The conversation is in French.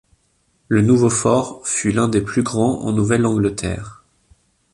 Le nouveau fort fut l'un des plus grands en Nouvelle-Angleterre.